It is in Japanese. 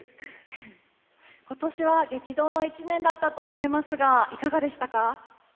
今年は激動の１年だったと思いますが、いかがですか。